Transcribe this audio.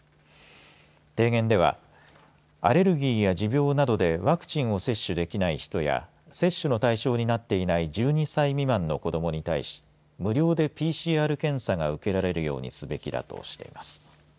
提言ではアレルギーや持病などでワクチンを接種できない人や接種の対象になっていない１２歳未満の子どもに対し無料でＰＣＲ検査が受けられるようにすべきだとしています。